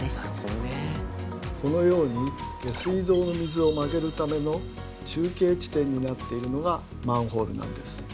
このように下水道の水を曲げるための中継地点になっているのがマンホールなんです。